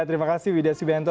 terima kasih widha subianto